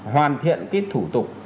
hoàn thiện cái thủ tục